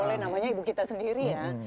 boleh namanya ibu kita sendiri ya